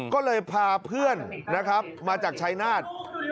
ก็เลยพาเพื่อนนะครับมาจากชายนาฏ